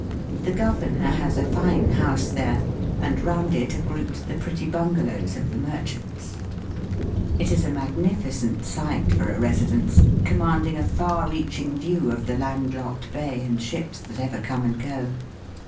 The governor has a fine house there, and round it are grouped the pretty bungalows of the merchants. It is a magnificent site for a residence, commanding a far reaching view of the land locked bay and ships that ever come and go.